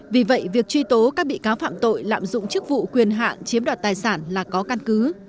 vì vậy việc truy tố các bị cáo phạm tội lạm dụng chức vụ quyền hạn chiếm đoạt tài sản là có căn cứ